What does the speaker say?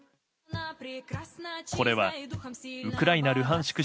これはウクライナ・ルハンシク